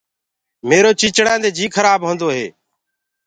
ميرو چيچڙآندي جي کرآب هوندو هي۔